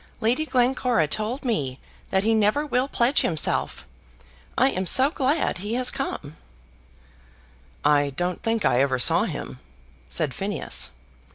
Lady Glencora told me that he never will pledge himself. I am so glad he has come." "I don't think I ever saw him," said Phineas.